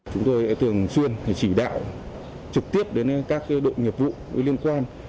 chúng tôi thường xuyên chỉ đạo trực tiếp đến các đội nghiệp vụ liên quan